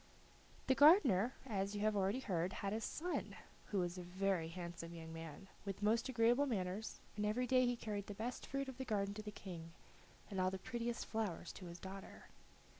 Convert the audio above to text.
The gardener, as you have heard already, had a son, who was a very handsome young man, with most agreeable manners, and every day he carried the best fruit of the garden to the King, and all the prettiest flowers to his daughter.